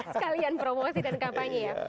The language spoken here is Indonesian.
sekalian promosi dan kampanye ya